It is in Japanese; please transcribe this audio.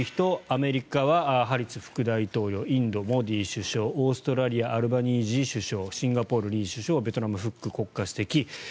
アメリカはハリス副大統領インドはモディ首相オーストラリアアルバニージー首相シンガポール、リー首相ベトナム、フック国家主席。